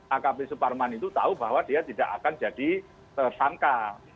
akp suparman itu tahu bahwa dia tidak akan jadi tersangka